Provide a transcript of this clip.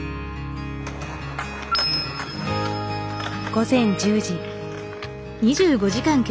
午前１０時。